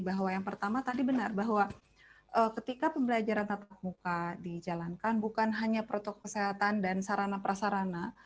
bahwa yang pertama tadi benar bahwa ketika pembelajaran tatap muka dijalankan bukan hanya protokol kesehatan dan sarana prasarana